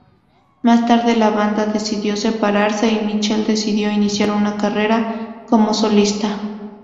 Más tarde la banda decidió separarse y Michiel decidió iniciar una carrera como solista.